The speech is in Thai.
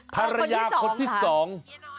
ภรรยาคนที่สอง